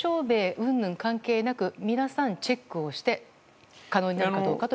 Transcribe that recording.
うんぬん関係なく皆さんチェックをして可能になるかどうかということですね？